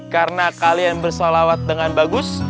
karena kalian bersalawat dengan bagus